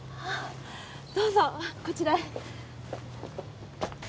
どうぞこちらへ。